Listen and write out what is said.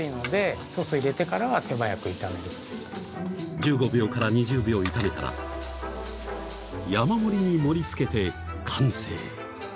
１５秒から２０秒炒めたら山盛りに盛り付けて完成！